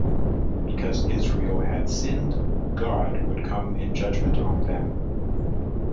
Because Israel had sinned, God would come in judgement on them.